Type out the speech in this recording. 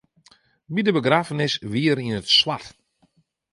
By de begraffenis wie er yn it swart.